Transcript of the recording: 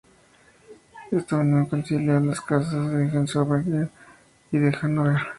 Esta unión reconcilió a las casas de Hohenzollern y de Hannover.